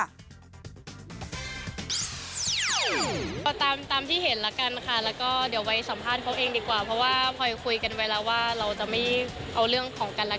ตามที่เห็นละกันค่ะแล้วก็เดี๋ยวไว้สัมภาษณ์เขาเองดีกว่า